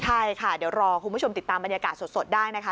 ใช่ค่ะเดี๋ยวรอคุณผู้ชมติดตามบรรยากาศสดได้นะคะ